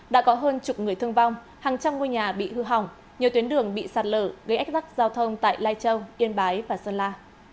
đã có hơn chục người thương vong hàng trăm ngôi nhà bị hư hỏng nhiều tuyến đường bị sạt lở gây ách rắc giao thông tại lai châu yên bái và sơn la